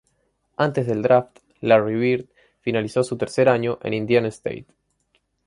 Antes del draft, Larry Bird finalizó su tercer año en Indiana State.